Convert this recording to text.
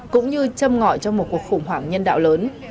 cũng như châm ngọi cho một cuộc khủng hoảng nhân đạo lớn